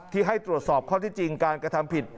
ให้ตรวจสอบข้อที่จริงการกระทำผิด